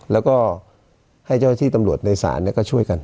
แล้วก็ให้เจ้าหน้าที่ตำลวดในศาลเนี่ยก็ช่วยกัน